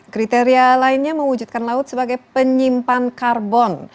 kriteria lainnya mewujudkan laut adalah